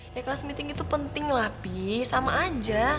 ya kelas meeting itu penting lah bi sama aja